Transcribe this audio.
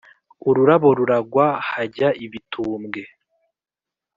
Ururabo ruragwa hajya ibitumbwe